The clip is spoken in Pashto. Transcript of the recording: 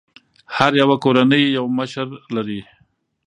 هره يوه کورنۍ یو مشر لري.